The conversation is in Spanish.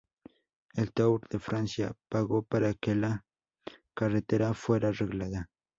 El Tour de Francia pagó para que la carretera fuera arreglada.